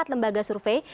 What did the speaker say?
dari empat lembaga survei